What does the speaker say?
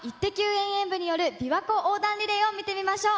遠泳部による、びわ湖横断リレーを見てみましょう。